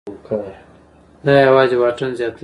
دا یوازې واټن زیاتوي.